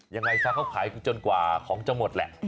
ยังไงซะเขาขายกูจนกว่าของจะหมดแหละ